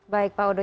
baik pak udo